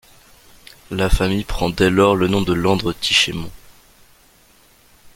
La famille prend dès lors le nom de Landres-Tichémont.